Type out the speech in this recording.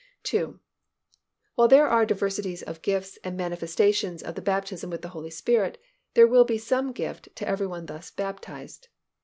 2. _While there are diversities of gifts and manifestations of the baptism with the Holy Spirit, there will be some gift to every one thus baptized.